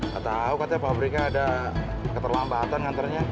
gak tau katanya pabriknya ada keterlambatan nganternya